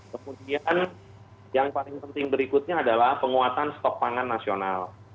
kemudian yang paling penting berikutnya adalah penguatan stok pangan nasional